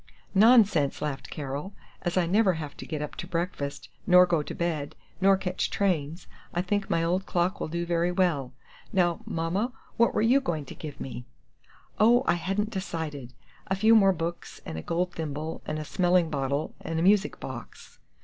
"Nonsense," laughed Carol; "as I never have to get up to breakfast, nor go to bed, nor catch trains, I think my old clock will do very well! Now, Mama, what were you going to give me?" "Oh, I hadn't decided. A few more books, and a gold thimble, and a smelling bottle, and a music box."